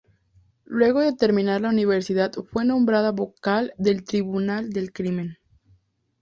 Luego de terminar la universidad fue nombrada vocal del Tribunal del Crimen.